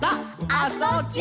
「あ・そ・ぎゅ」